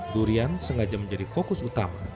durian sengaja menjadi fokus utama